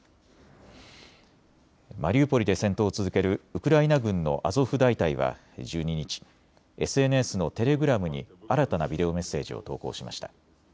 マリウポリで戦闘を続けるウクライナ軍のアゾフ大隊は１２日、ＳＮＳのテレグラムに新たなビデオメッセージを投稿しました。